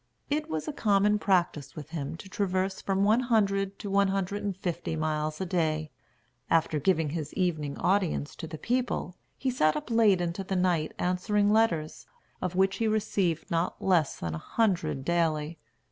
It was a common practice with him to traverse from one hundred to one hundred and fifty miles a day. After giving his evening audience to the people, he sat up late into the night answering letters, of which he received not less than a hundred daily.